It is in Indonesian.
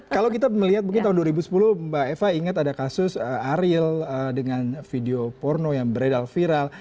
kalau kita melihat mungkin tahun dua ribu sepuluh mbak eva ingat ada kasus ariel dengan video porno yang beredar viral